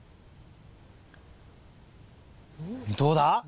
どうだ？